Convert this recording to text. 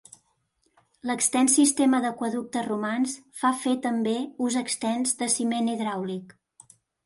L'extens sistema d'aqüeductes romans fa fer també us extens de ciment hidràulic.